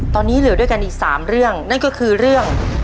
ตอนนี้เหลือด้วยกันอีก๓เรื่องนั่นก็คือเรื่อง